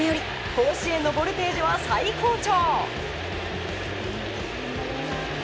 甲子園のボルテージは最高潮。